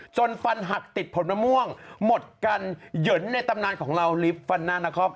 จนฟันหักติดผลมะม่วงหมดกันเหยินในตำนานของเราลิฟต์ฟันน่านะครับ